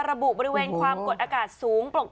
ระบุบริเวณความกดอากาศสูงปลอดภัย